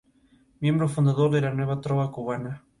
Por ello se puede hablar de una continuación "de facto" del señorío.